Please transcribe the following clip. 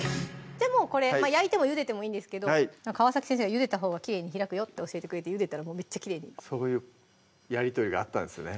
これ焼いてもゆでてもいいんですけど川先生が「ゆでたほうがきれいに開くよ」って教えてくれてゆでたらめっちゃきれいにそういうやり取りがあったんですね